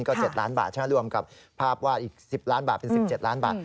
ก็๗ล้านบาทถ้ารวมกับภาพว่าอีก๑๐ล้านบาทเป็น๑๗ล้านบาท